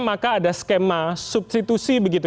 maka ada skema substitusi begitu